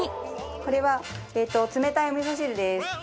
これは冷たいお味噌汁です。